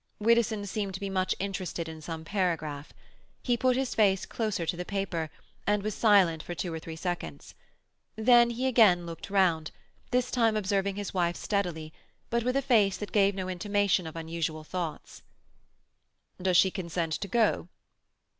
Widdowson seemed to be much interested in some paragraph. He put his face closer to the paper, and was silent for two or three seconds. Then he again looked round, this time observing his wife steadily, but with a face that gave no intimation of unusual thoughts. "Does she consent to go?"